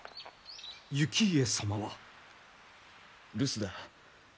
行家様は。留守だ。